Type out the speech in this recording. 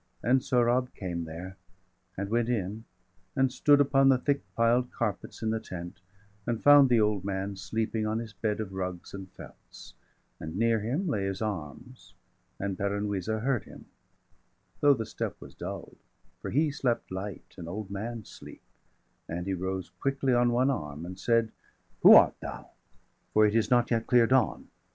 And Sohrab came there, and went in, and stood Upon the thick piled carpets in the tent, 25 And found the old man sleeping on his bed Of rugs and felts, and near him lay his arms. And Peran Wisa heard him, though the step Was dull'd; for he slept light, an old man's sleep; And he rose quickly on one arm, and said: 30 "Who art thou? for it is not yet clear dawn.